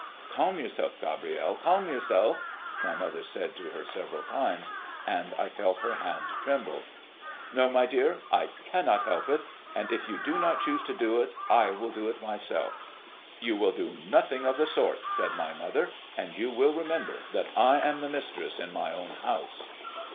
"Calm yourself, Gabrielle; calm yourself," my mother said to her several times, and I felt her hand tremble. "No, my dear, I cannot help it! And if you do not choose to do it, I will do it myself." "You will do nothing of the sort," said my mother. "And you will remember that I am the mistress in my own house."